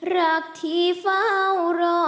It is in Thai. รักที่เฝ้ารอ